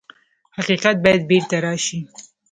حقیقت باید بېرته راشي.